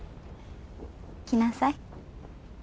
来なさい。